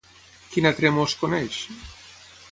Quin altre Hemó es coneix?